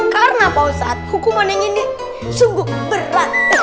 karena pak ustaz hukuman yang ini sungguh berat